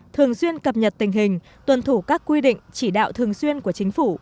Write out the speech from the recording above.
thường xuyên cập nhật tình hình tuần thủ các quy định chỉ đạo thường xuyên của chính phủ